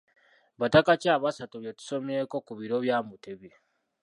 Bataka ki abasatu be tusomyeko ku biro bya Mutebi?